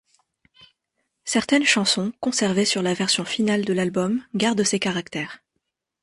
Certaines chansons conservées sur la version finale de l'album gardent ces caractères.